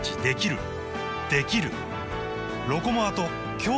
できる！